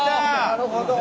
なるほど。